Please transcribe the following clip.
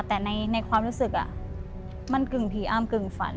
แต่ในความรู้สึกมันกึ่งผีอ้ำกึ่งฝัน